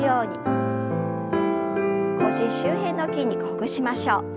腰周辺の筋肉ほぐしましょう。